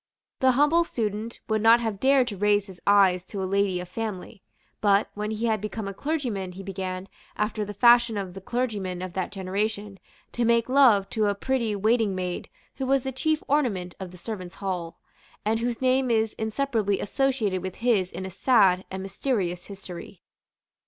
The humble student would not have dared to raise his eyes to a lady of family; but, when he had become a clergyman, he began, after the fashion of the clergymen of that generation, to make love to a pretty waitingmaid who was the chief ornament of the servants' hall, and whose name is inseparably associated with his in a sad and mysterious history.